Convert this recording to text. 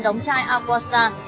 đóng chai aquastar